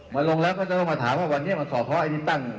มาลงแล้วก็จะต้องมาถามว่าวันนี้มันสอบท้อไอ้ที่ตั้ง